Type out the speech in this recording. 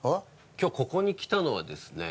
今日ここに来たのはですね